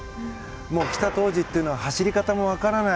来た当時というのは走り方も分からない